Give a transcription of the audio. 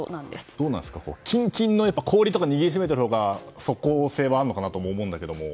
どうなんですかキンキンの氷とか握りしめてるほうが即効性はあるのかなと思うんだけども。